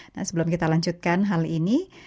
nah sebelum kita lanjutkan hal ini